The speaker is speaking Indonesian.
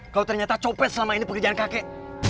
kau ternyata copet selama ini pekerjaan kakek